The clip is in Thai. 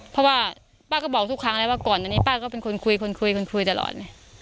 เพราะว่าป้าก็บอกทุกครั้งแล้วว่าก่อนอันนี้ป้าก็เป็นคนคุยคนคุยคนคุยตลอด